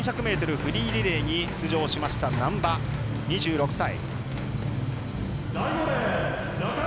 フリーリレーに出場しました難波、２６歳。